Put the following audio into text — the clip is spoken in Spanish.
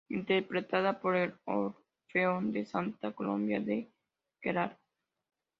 Interpretada por el Orfeón de Santa Coloma de Queralt.